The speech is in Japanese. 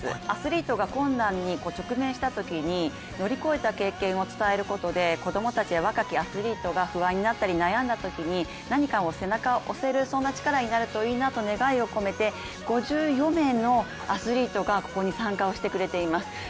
アスリートが困難に直面したときに乗り越えた経験を伝えることで子供たちや若きアスリートが不安になったり悩んだときに、何か背中を押せるそんな力になるといいなという願いを込めて５４名のアスリートがここに参加をしてくれています。